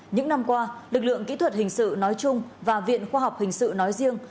những năm qua lực lượng kỹ thuật hình sự nói chung và viện khoa học hình sự nói riêng